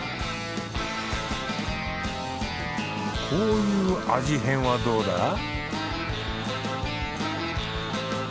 こういう味変はどうだ？